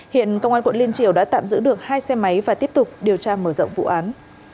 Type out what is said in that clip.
hiện công an quận liên triều đã tạm giữ được hai xe máy và tiếp tục điều tra mở rộng vụ án